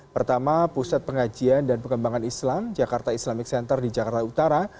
pertama pusat pengajian dan pengembangan islam jakarta islamic center di jakarta utara